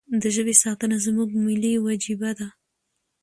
د ژبې ساتنه زموږ ملي وجیبه ده.